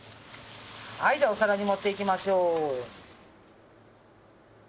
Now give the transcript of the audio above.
はいじゃあお皿に盛っていきましょう。